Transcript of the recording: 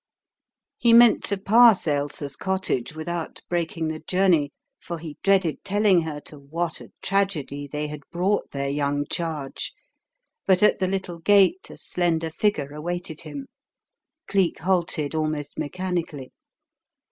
He meant to pass Ailsa's cottage without breaking the journey, for he dreaded telling her to what a tragedy they had brought their young charge, but at the little gate a slender figure awaited him. Cleek halted almost mechanically.